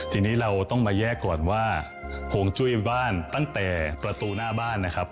ทีนี้เราต้องมาแยกก่อนว่าห่วงจุ้ยบ้านตั้งแต่ประตูหน้าบ้านนะครับ